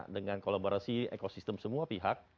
dengan kolaborasi ekosistem semua pihak